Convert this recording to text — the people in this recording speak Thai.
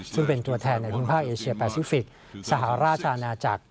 ซึ่งเป็นตัวแทนในภูมิภาคเอเชียแปซิฟิกสหราชอาณาจักร